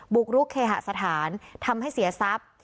บุกรุกเคหสถานทำให้เสียทรัพย์